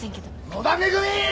野田恵！